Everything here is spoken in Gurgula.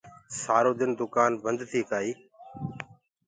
سآرو دن دُڪآن بنٚد تيٚ ڪآئيٚ